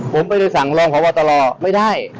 ผมไปสั่งรองขอบตลอไม่ได้